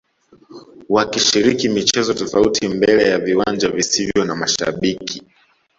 wakishiriki michezo tofauti mbele ya viwanja visivyo na mashabiki